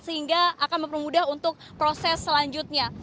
sehingga akan mempermudah untuk proses selanjutnya